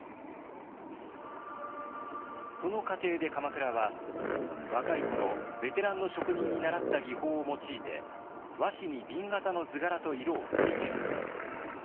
その過程で鎌倉は若い頃ベテランの職人に習った技法を用いて和紙に紅型の図柄と色を再現。